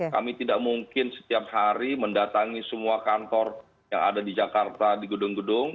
kami tidak mungkin setiap hari mendatangi semua kantor yang ada di jakarta di gedung gedung